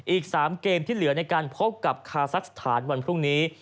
อีก๓เกมที่เหลือในการพบกับคาซักสถานวันพรุ่งนี้